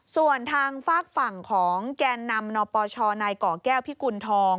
ส่วนทางฝากฝั่งของแกนนำนปชนายก่อแก้วพิกุณฑอง